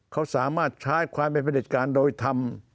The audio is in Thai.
เขาสามารถใช้ความเป็นประเด็จการโดยธรรม